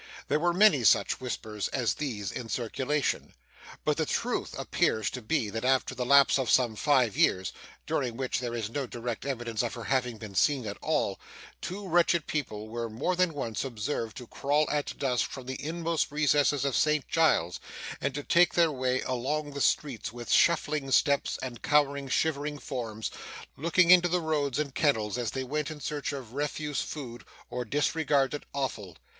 There were many such whispers as these in circulation; but the truth appears to be that, after the lapse of some five years (during which there is no direct evidence of her having been seen at all), two wretched people were more than once observed to crawl at dusk from the inmost recesses of St Giles's, and to take their way along the streets, with shuffling steps and cowering shivering forms, looking into the roads and kennels as they went in search of refuse food or disregarded offal.